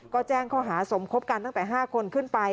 ก็แจ้งข้อหาสมคบกันตั้งแต่๕คนขึ้นไป